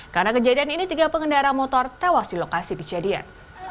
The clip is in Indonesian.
karena kejadian ini tiga pengendara motor tewas di lokasi kejadian